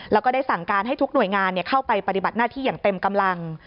แล้วก็ได้สั่งการให้ทุกหน่วยงานเข้าไปปฏิบัติหน้าที่อย่างเต็มกำลัง